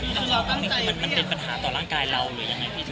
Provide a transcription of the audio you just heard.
มันเป็นปัญหาต่อร่างกายเราหรือยังไงพี่เกรด